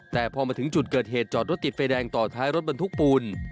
แต่พอมาถึงจุดเกิดเหตุจอดรถติดไฟแดงต่อท้ายรถบรรทุกปูน